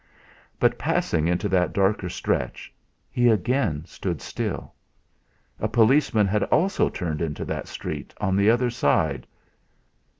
But passing into that darker stretch, he again stood still. A policeman had also turned into that street on the other side.